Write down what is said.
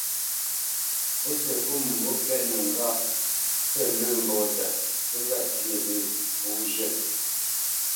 Pǔsi pô mə̂mbû pɛ́ʼnə ŋgâʼ pə lə̂ mbóta, nzí ŋgâʼ syê lě pó zhə́.